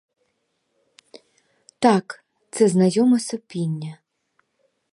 Так, це знайоме сопіння.